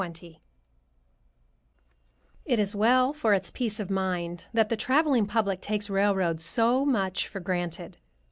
XIX It is well for its peace of mind that the traveling public takes railroads so much for granted.